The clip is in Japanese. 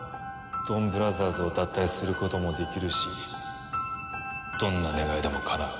ドンブラザーズを脱退することもできるしどんな願いでもかなう。